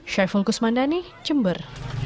syai fulkus mandani jember